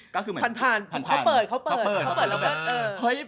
แผ่นเขาเปิด